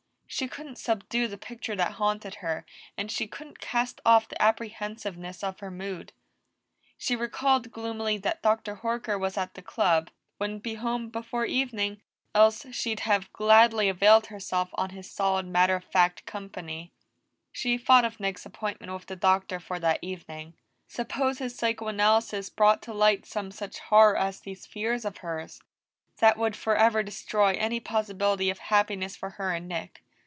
She couldn't subdue the picture that haunted her, and she couldn't cast off the apprehensiveness of her mood. She recalled gloomily that Dr. Horker was at the Club wouldn't be home before evening, else she'd have gladly availed herself of his solid, matter of fact company. She thought of Nick's appointment with the Doctor for that evening. Suppose his psychoanalysis brought to light some such horror as these fears of hers that would forever destroy any possibility of happiness for her and Nick.